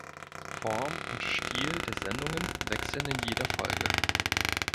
Form und Stil der Sendungen wechseln in jeder Folge.